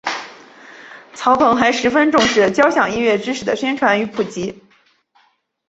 曹鹏还十分重视交响音乐知识的宣传与普及。